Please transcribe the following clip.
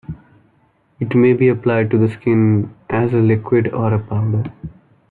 It may be applied to the skin as a liquid or a powder.